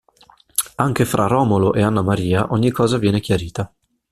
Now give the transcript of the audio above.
Anche fra Romolo e Annamaria ogni cosa viene chiarita.